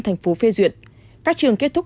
thành phố phê duyệt các trường kết thúc